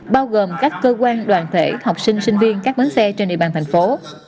bao gồm các cơ quan đoàn thể học sinh sinh viên các bến xe trên địa bàn thành phố